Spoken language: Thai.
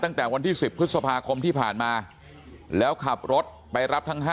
ตั้งแต่วันที่๑๐พฤษภาคมที่ผ่านมาแล้วขับรถไปรับทั้ง๕